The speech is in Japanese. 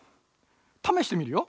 ためしてみるよ。